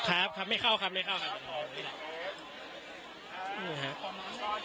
ครับครับไม่เข้าครับไม่เข้าครับ